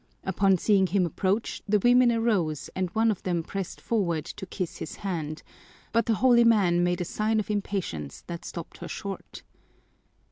Upon seeing him approach, the women arose and one of them pressed forward to kiss his hand, but the holy man made a sign of impatience that stopped her short.